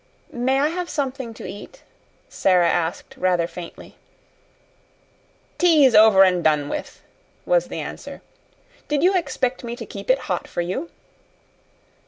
"May I have something to eat?" Sara asked rather faintly. "Tea's over and done with," was the answer. "Did you expect me to keep it hot for you?"